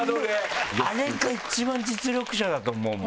あれが一番実力者だと思うもん。